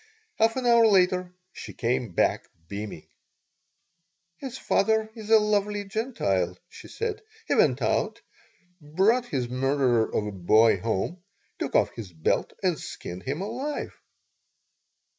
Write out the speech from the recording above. Half an hour later she came back beaming "His father is a lovely Gentile," she said. "He went out, brought his murderer of a boy home, took off his belt, and skinned him alive."